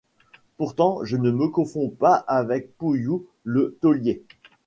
Pourtant je ne me confonds pas avec Pouhiou le Taulier.